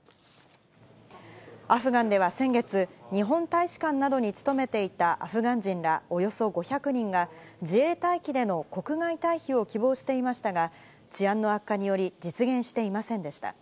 アフガンでは先月、日本大使館などに勤めていたアフガン人らおよそ５００人が、自衛隊機での国外退避を希望していましたが、治安の悪化により、実現していませんでした。